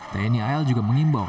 tni al juga mengimbau